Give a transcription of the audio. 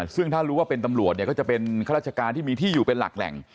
ซึ่งถ้ารู้ว่าเป็นตำรวจเนี่ยก็จะเป็นข้าราชการที่มีที่อยู่เป็นหลักแหล่ง